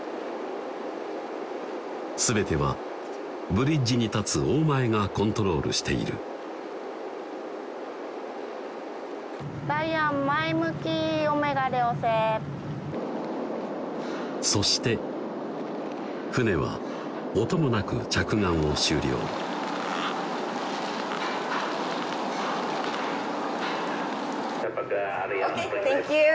全てはブリッジに立つ大前がコントロールしているダイアンそして船は音もなく着岸を終了オッケーセンキュー！